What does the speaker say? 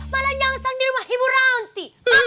malah nyang sang diri rumah ibu ranti